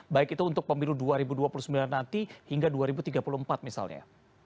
baik itu untuk pemilu dua ribu dua puluh sembilan nanti hingga dua ribu tiga puluh empat misalnya